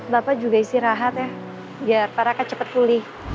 bapak juga isi rahat ya biar paraka cepet pulih